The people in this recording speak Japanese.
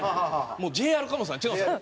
もうＪＲ貨物さん違うんですよ。